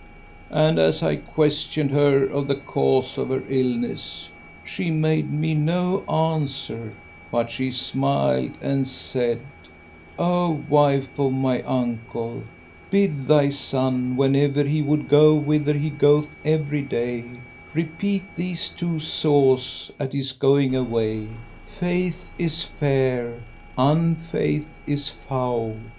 And as I questioned her of the cause of her illness, she made me no answer; but she smiled and said, 'O wife of my uncle, bid thy son, whenever he would go whither he goeth every day, repeat these two saws at his going away; 'Faith is fair! Unfaith is foul!'